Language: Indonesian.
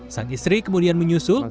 sang istri kemudian menyusul